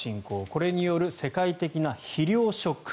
これによる世界的な肥料ショック。